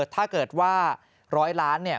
ถ้าเกิดว่า๑๐๐ล้านเนี่ย